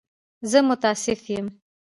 زه متأسف یم.